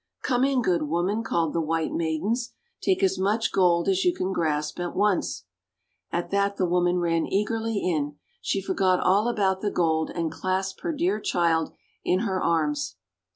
"Come in, good WToman," called the White Maidens. "Take as much gold as you can grasp at once. ' At that the woman ran eagerly in. She forgot all about the gold, and clasped her dear child in her arms.